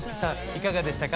いかがでしたか？